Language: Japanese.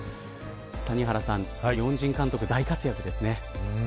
谷原さん日本人監督、大活躍ですね。